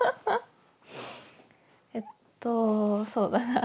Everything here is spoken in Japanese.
えっとそうだな。